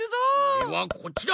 おれはこっちだ！